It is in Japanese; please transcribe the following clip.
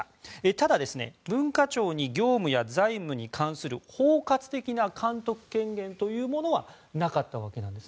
ただ文化庁に業務や財務に関する包括的な監督権限というものはなかったわけです。